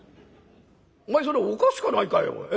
お前それおかしかないかい？